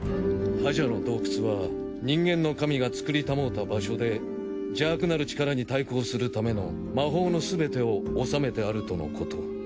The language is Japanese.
破邪の洞窟は人間の神がつくりたもうた場所で邪悪なる力に対抗するための魔法のすべてをおさめてあるとのこと。